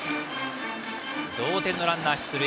同点のランナー、出塁。